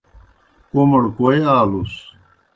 کوْمڑ کوئے آلُس؟